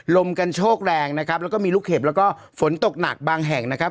ลมกันโชคแรงนะครับแล้วก็มีลูกเห็บแล้วก็ฝนตกหนักบางแห่งนะครับ